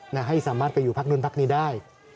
และให้สามารถไปอยู่ภาคนู่นภาคนี้ได้